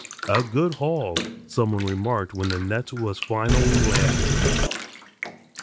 "A good haul," some one remarked when the net was finally landed.